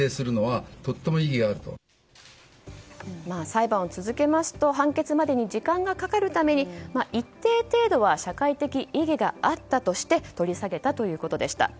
裁判を続けますと判決までに時間がかかるために一定程度は社会的意義があったとして取り下げたということでした。